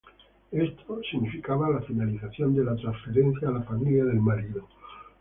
Esto significaba la finalización de la transferencia a la familia del marido.